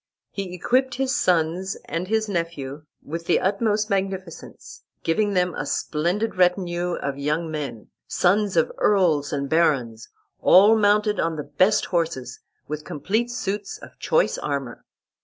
He equipped his sons and his nephew with the utmost magnificence, giving them a splendid retinue of young men, sons of earls and barons, all mounted on the best horses, with complete suits of choice armor.